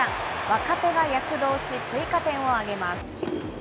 若手が躍動し、追加点を挙げます。